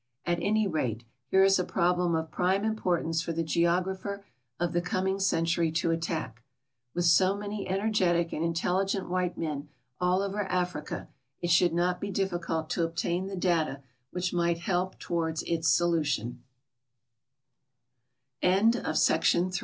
At any rate, here is a problem of prime importance for the geog rapher of the coming century to attack. With so many ener getic and intelligent white men all over Africa, it should not be difficult to obtain the data which might help toward its